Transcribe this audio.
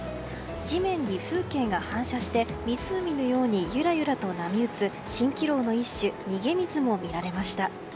地面に風景が反射して湖のようにゆらゆらと波打つ蜃気楼の一種逃げ水も見られました。